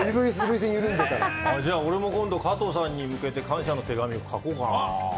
じゃあ今度、俺も加藤さんに向けて感謝の手紙書こうかな。